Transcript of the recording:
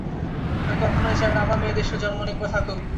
আমি কখনই চাই না আমার মেয়ে এই দেশে জন্ম নিক বা থাকুক।